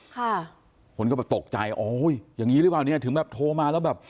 คนก็แบบตกใจโอ้ยอย่างงี้หรือเปล่าเนี้ยถึงแบบโทรมาแล้วแบบ